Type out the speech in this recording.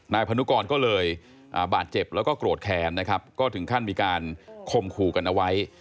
พนุกรก็เลยบาดเจ็บแล้วก็โกรธแค้นนะครับก็ถึงขั้นมีการคมขู่กันเอาไว้